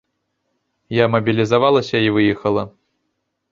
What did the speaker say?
Я мабілізавалася і выехала.